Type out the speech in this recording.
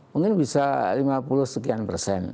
mungkin bisa lima puluh sekian persen